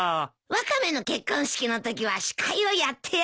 ワカメの結婚式のときは司会をやってやるよ。